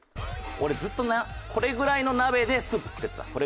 俺ずっとなこれぐらいの鍋でスープ作ってた。